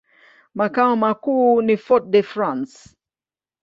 Makao makuu ni Fort-de-France.